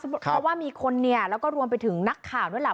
เพราะว่ามีคนเนี่ยแล้วก็รวมไปถึงนักข่าวด้วยแหละ